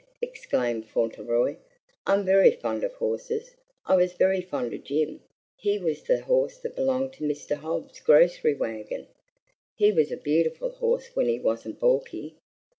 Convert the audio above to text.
exclaimed Fauntleroy; "I'm very fond of horses. I was very fond of Jim. He was the horse that belonged to Mr. Hobbs' grocery wagon. He was a beautiful horse when he wasn't balky."